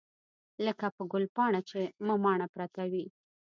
لکه په ګلپاڼه چې مماڼه پرته وي.